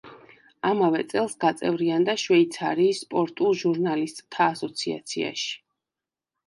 ამავე წელს გაწევრიანდა შვეიცარიის სპორტულ ჟურნალისტთა ასოციაციაში.